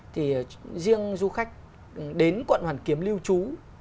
thì riêng du khách đến quận hoàn kiếm lưu trú